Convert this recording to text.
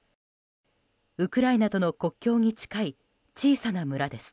ウクライナとの国境に近い小さな村です。